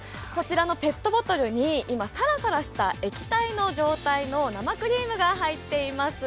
ペットボトルにさらさらとした液体の状態の生クリームが入っています。